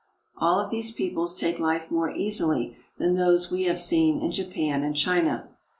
All of these peoples take Hfe more easily than those we have seen in Japan and China.